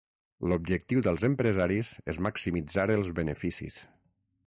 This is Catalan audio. L'objectiu dels empresaris és maximitzar els beneficis.